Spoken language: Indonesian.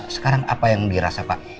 sekarang apa yang dirasa pak